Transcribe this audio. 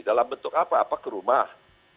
dalam bentuk apa apa ke rumah